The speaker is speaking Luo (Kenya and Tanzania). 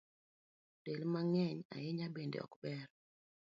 Del mang’eny ahinya bende ok ber